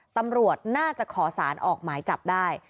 ตำรวจน่าจะขอสารออกหมายจับได้